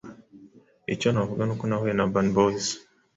icyo navuga ni uko nahuye na urban boyz